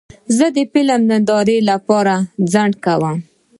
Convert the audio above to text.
زه د فلم نندارې لپاره ځنډ کوم.